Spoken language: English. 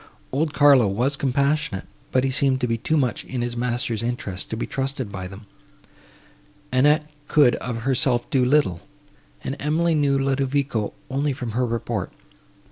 Old Carlo was compassionate, but he seemed to be too much in his master's interest to be trusted by them; Annette could of herself do little, and Emily knew Ludovico only from her report.